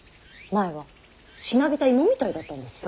前はしなびた芋みたいだったんですよ。